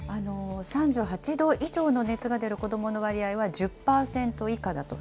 ３８度以上の熱が出る子どもの割合は１０％以下だと。